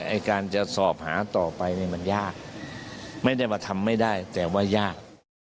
ไอ้การจะสอบหาต่อไปเนี่ยมันยากไม่ได้มาทำไม่ได้แต่ว่ายาก